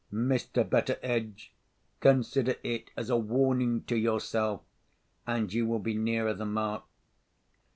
"Mr. Betteredge, consider it as a warning to yourself, and you will be nearer the mark."